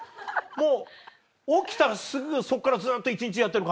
もう起きたらすぐそっからずっと一日やってる感じ？